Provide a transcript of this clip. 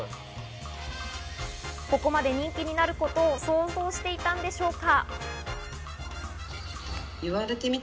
ここまで人気になることを想像していたんでしょうか？